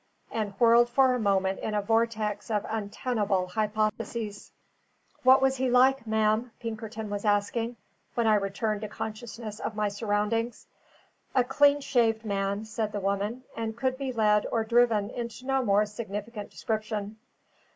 and whirled for a moment in a vortex of untenable hypotheses. "What was he like, ma'am?" Pinkerton was asking, when I returned to consciousness of my surroundings. "A clean shaved man," said the woman, and could be led or driven into no more significant description.